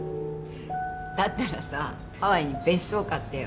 だったらさハワイに別荘買ってよ